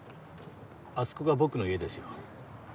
あそこが僕の家ですよ。